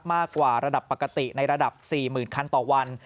มากกว่าระดับปกติในระดับ๔๐๐๐คันต่อวัน